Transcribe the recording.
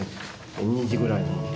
２時ぐらいに。